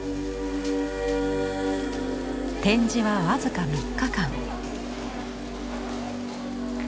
展示は僅か３日間。